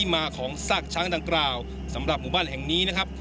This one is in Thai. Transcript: มาของซากช้างดังกล่าวสำหรับหมู่บ้านแห่งนี้นะครับ